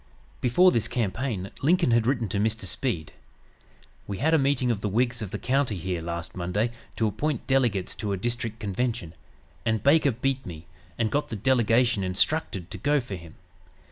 Before this campaign Lincoln had written to Mr. Speed: "We had a meeting of the Whigs of the county here last Monday to appoint delegates to a district convention; and Baker beat me, and got the delegation instructed to go for him.